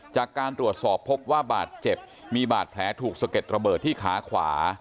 จากการตรวจสอบพบว่าบาดเจ็บมีบาดแผลถูกสะเก็ดระเบิดที่ขาขวา